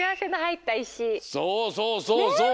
そうそうそうそう！